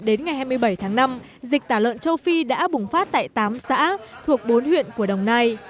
đến ngày hai mươi bảy tháng năm dịch tả lợn châu phi đã bùng phát tại tám xã thuộc bốn huyện của đồng nai